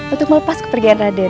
untuk melepas kepergian raden